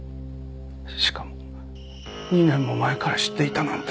しかも２年も前から知っていたなんて。